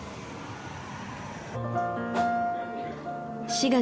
４月。